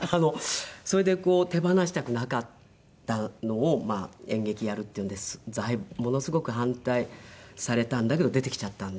それで手放したくなかったのを演劇をやるっていうのでものすごく反対されたんだけど出てきちゃったんで。